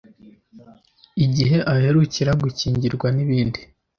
igihe aherukira gukingirwa n’ibindi